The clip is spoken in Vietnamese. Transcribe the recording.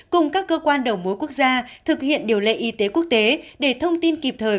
cùng các cơ quan đầu mối quốc gia thực hiện điều lệ y tế quốc tế để thông tin kịp thời